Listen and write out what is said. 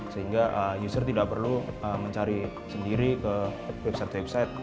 sehingga user tidak perlu mencari sendiri ke website website